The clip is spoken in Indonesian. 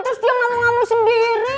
terus dia ngamuk ngamuk sendiri